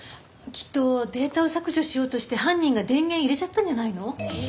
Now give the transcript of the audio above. きっとデータを削除しようとして犯人が電源入れちゃったんじゃないの？